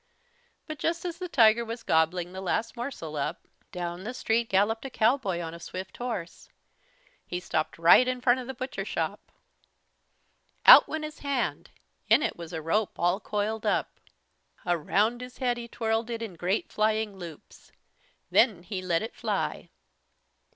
But just as the tiger was gobbling the last morsel up, down the street galloped a cowboy on a swift horse. He stopped right in front of the butcher shop. Out went his hand. In it was a rope all coiled up. Around his head he twirled it, in great flying loops. Then he let it fly.